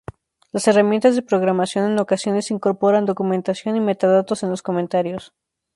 Las herramientas de programación en ocasiones incorporan documentación y metadatos en los comentarios.